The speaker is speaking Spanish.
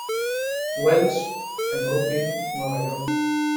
Wells, en Brooklyn, Nueva York.